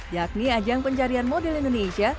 yakni ajang pencarian model indonesia